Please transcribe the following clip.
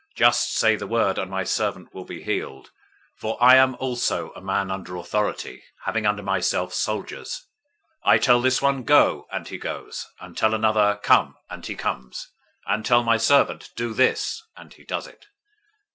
Just say the word, and my servant will be healed. 008:009 For I am also a man under authority, having under myself soldiers. I tell this one, 'Go,' and he goes; and tell another, 'Come,' and he comes; and tell my servant, 'Do this,' and he does it."